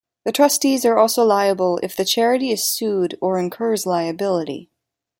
The trustees are also liable if the charity is sued or incurs liability.